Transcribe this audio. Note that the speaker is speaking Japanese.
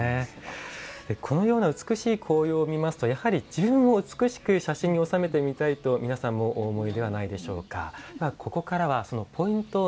このような美しい紅葉を見ますと自分も美しく写真を収めてみたいと皆さんもお思いではないでしょうか。